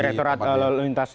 direkturat lalu lintas